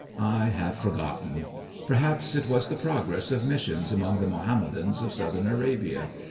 I have forgotten. Perhaps it was the progress of missions among the Mohammedans of Southern Arabia.